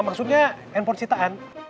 maksudnya handphone citaan